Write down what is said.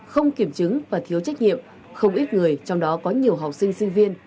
không kiểm chứng và thiếu trách nhiệm không ít người trong đó có nhiều học sinh sinh viên